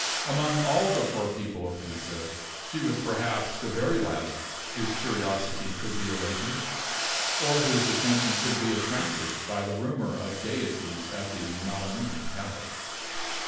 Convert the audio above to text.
Among all the poor people of Pisa, she was perhaps the very last whose curiosity could be awakened, or whose attention could be attracted by the rumor of gayeties at the Melani Palace.